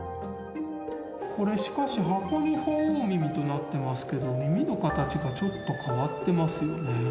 これしかし箱に「鳳凰耳」となってますけど耳の形がちょっと変わってますよね。